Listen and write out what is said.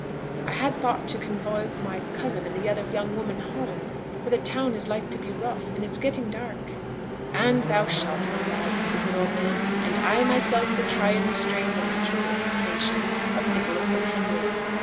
'I had thought to convoy my cousin and the other young woman home, for the town is like to be rough, and it's getting dark.' 'And thou shalt, my lad,' said the good old man; 'and I myself will try and restrain the natural inclinations of Nicholas and Henry.'